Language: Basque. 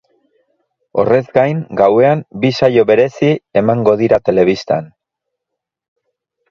Horrez gain, gauean, bi saio berezi emango dira telebistan.